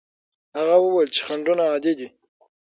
هغه وویل چې خنډونه عادي دي.